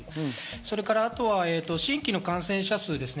それからあとは新規の感染者数ですね。